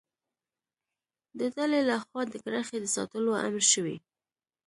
د ډلې له خوا د کرښې د ساتلو امر شوی.